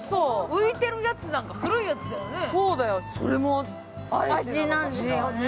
浮いてるやつなんか古いやつだよね。